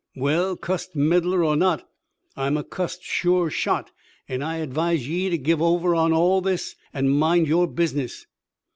Well, cussed meddler er not, I'm a cussed shore shot. An' I advise ye to give over on all this an' mind yore business.